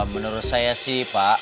menurut saya sih pak